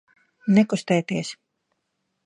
Nekustēties!